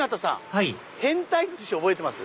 はい変タイ鮨覚えてます？